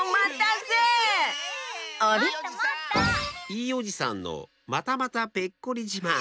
いいおじさんのまたまたペッコリじまん。